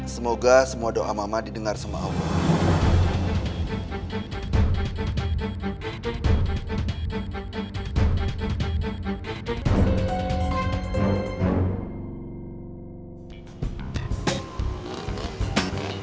semoga semua doa mama didengar sama allah